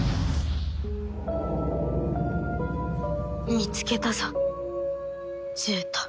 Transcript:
見つけたぞ獣人。